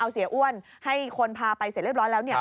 เสียอ้วนให้คนพาไปเสร็จเรียบร้อยแล้ว